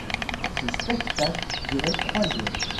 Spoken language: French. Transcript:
Ce spectacle durait troiq heures.